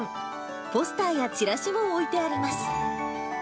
ポスターやちらしも置いてあります。